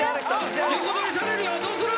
横取りされるよどうする？